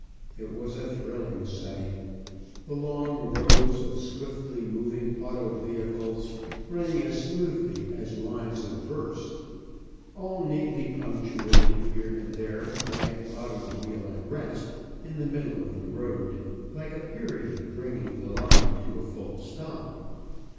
It was a thrilling sight the long rows of swiftly moving auto vehicles running as smoothly as lines of verse, all neatly punctuated here and there by an automobile at rest in the middle of the road, like a period bringing the line to a full stop.